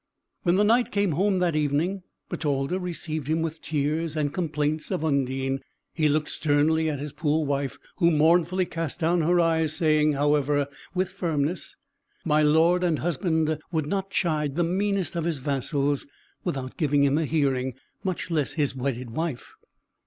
When the Knight came home that evening, Bertalda received him with tears and complaints of Undine. He looked sternly at his poor wife, who mournfully cast down her eyes, saying, however, with firmness, "My lord and husband would not chide the meanest of his vassals, without giving him a hearing, much less his wedded wife."